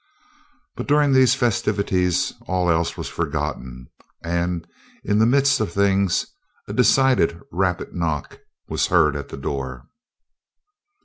But during these festivities all else was forgotten, and in the midst of things a decided, rapid knock was heard at the door.